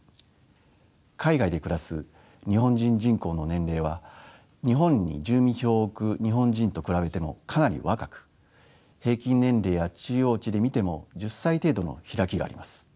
海外で暮らす日本人人口の年齢は日本に住民票を置く日本人と比べてもかなり若く平均年齢や中央値で見ても１０歳程度の開きがあります。